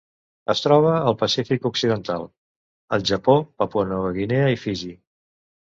Es troba al Pacífic occidental: el Japó, Papua Nova Guinea i Fiji.